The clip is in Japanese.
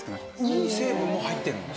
いい成分も入ってるんですね。